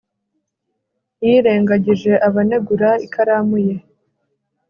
yirengagije abanegura ikaramu ye